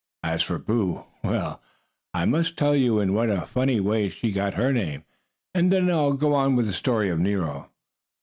As for Boo well, I must tell you in what a funny way she got her name, and then I'll go on with the story of Nero.